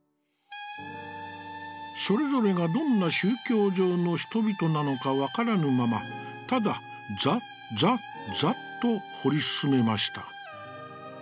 「それぞれが、どんな宗教上の人々なのか判らぬまま、ただザッザッザッと彫り進めました。